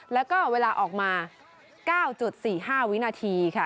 แล้วก็เวลาออกมา๙๔๕วินาทีค่ะ